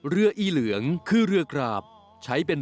เรืออารักษาพระมหากษัตริย์มีชื่อเรือแซงเจ็ด